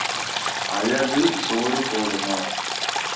அழகு சோறு போடுமா?